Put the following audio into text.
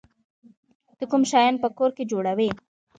ته کوم شیان په کور کې جوړوی؟